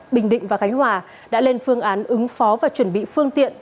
bình định và khánh hòa đã lên phương án ứng phó và chuẩn bị phương tiện